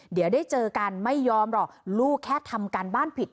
เดี๋ยวได้เจอกันไม่ยอมหรอกลูกแค่ทำการบ้านผิด